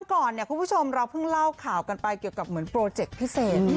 ก่อนเนี่ยคุณผู้ชมเราเพิ่งเล่าข่าวกันไปเกี่ยวกับเหมือนโปรเจคพิเศษ